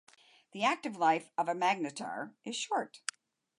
The active life of a magnetar is short.